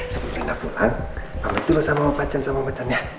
sebelum reina pulang pamit dulu sama om pacan ya